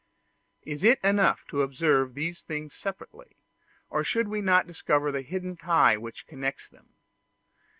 Is it enough to observe these things separately, or should we not discover the hidden tie which connects them?